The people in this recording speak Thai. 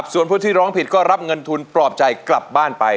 ส่วนผู้ที่ร้องผิดก็รับเงินทุนปลอบใจกลับบ้านไป